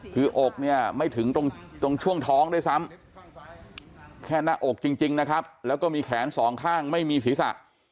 คืออกเนี่ยไม่ถึงตรงช่วงท้องด้วยซ้ำแค่หน้าอกจริงนะครับแล้วก็มีแขนสองข้างไม่มีศีรษะ